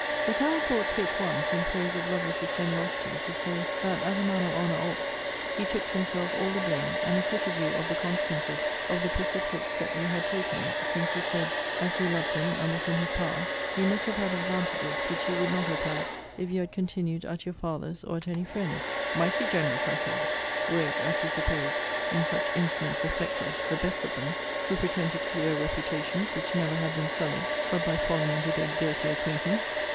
The Colonel thought fit once, in praise of Lovelace's generosity, to say, that (as a man of honour ought) he took to himself all the blame, and acquitted you of the consequences of the precipitate step you had taken; since he said, as you loved him, and was in his power, he must have had advantages which he would not have had, if you had continued at your father's, or at any friend's. Mighty generous, I said, (were it as he supposed,) in such insolent reflectors, the best of them; who pretend to clear reputations which never had been sullied but by falling into their dirty acquaintance!